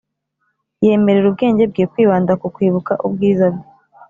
yemerera ubwenge bwe kwibanda ku kwibuka ubwiza bwe